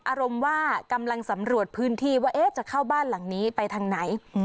อารมณ์ว่ากำลังสำรวจพื้นที่ว่าจะเข้าบ้านหลังนี้ไปทางไหน